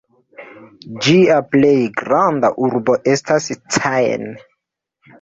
Ĝia plej granda urbo estas Caen.